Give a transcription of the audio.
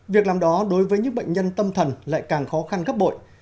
việc làm đó đối với những bệnh nhân tâm thần lại càng khó khăn gấp bội